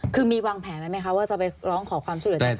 คือมีวางแผนไว้ไหมคะว่าจะไปร้องขอความช่วยเหลือจากใคร